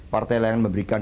partai lain memberikan